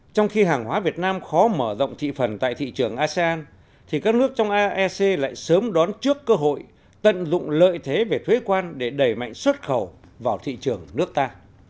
trong khi hàng hóa việt nam khó mở rộng thị phần tại thị trường asean thì các nước trong aec lại sớm đón trước cơ hội tận dụng lợi thế về thuế quan để đẩy mạnh xuất khẩu vào thị trường nước ta